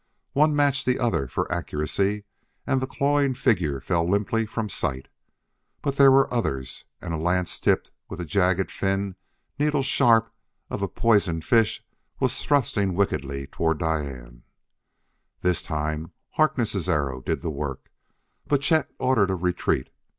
One matched the other for accuracy, and the clawing figure fell limply from sight. But there were others and a lance tipped with the jagged fin, needle sharp, of a poison fish was thrusting wickedly toward Diane. This time Harkness' arrow did the work, but Chet ordered a retreat.